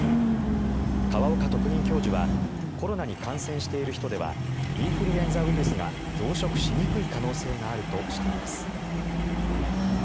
河岡特任教授はコロナに感染している人ではインフルエンザウイルスが増殖しにくい可能性があるとしています。